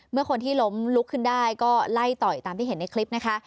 เมื่อคนที่ล้มลุกขึ้นได้ก็ไล่ต่อยตามที่เห็นในคลิปนะคะ